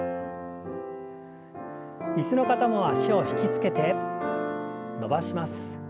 椅子の方も脚を引き付けて伸ばします。